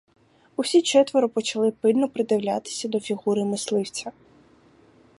Усі четверо почали пильно придивлятися до фігури мисливця.